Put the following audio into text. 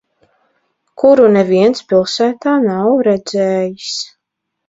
Kuru neviens pilsētā nav redzējis.